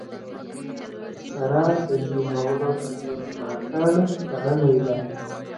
سره تنظیمولو ته یې ملا تړلې ده.